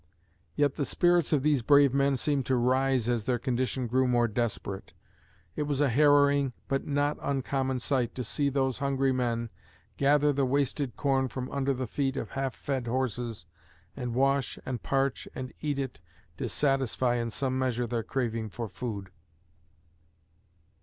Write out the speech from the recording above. Yet the spirits of these brave men seemed to rise as their condition grew more desperate.... It was a harrowing but not uncommon sight to see those hungry men gather the wasted corn from under the feet of half fed horses, and wash and parch and eat it to satisfy in some measure their craving for food.